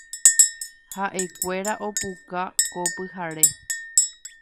Ha’ekuéra opuka ko pyhare.